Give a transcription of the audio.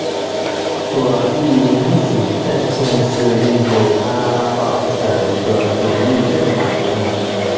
左翼民主阵线是印度喀拉拉邦的一个左翼政党联盟。